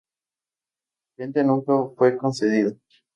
La patente nunca fue concedida.